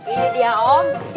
ini dia om